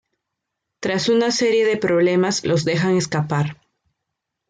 Tras una serie de problemas los dejan escapar.